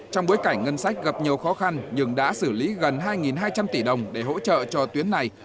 trong bối cảnh ngân sách gặp nhiều khó khăn nhưng đã xử lý gần hai hai trăm linh tỷ đồng để hỗ trợ cho tuyến này